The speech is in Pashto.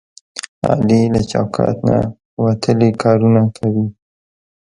علي له چوکاټ نه وتلي کارونه کوي.